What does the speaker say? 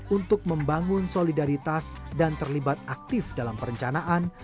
untuk membangun solidaritas dan terlibat aktif dalam perencanaan